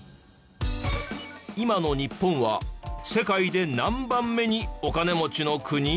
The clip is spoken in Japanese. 今の日本は世界で何番目にお金持ちの国？